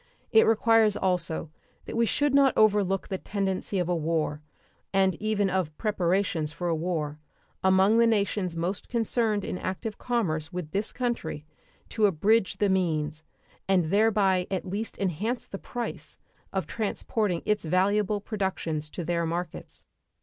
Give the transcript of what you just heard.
It requires also that we should not overlook the tendency of a war, and even of preparations for a war, among the nations most concerned in active commerce with this country to abridge the means, and thereby at least enhance the price, of transporting its valuable productions to their markets.